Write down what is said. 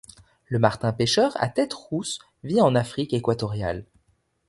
Le martin-pêcheur à tête rousse vit en Afrique équatoriale.